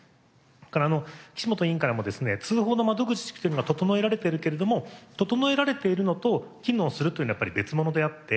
それから岸本委員からもですね通報の窓口というのは整えられているけれども整えられているのと機能するというのはやっぱり別物であって。